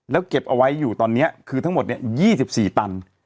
แล้วเก็บเอาไว้อยู่ตอนนี้คือทั้งหมด๒๔ตัน